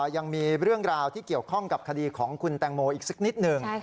ยังมีเรื่องราวที่เกี่ยวข้องกับคดีของคุณแตงโมอีกสักนิดหนึ่ง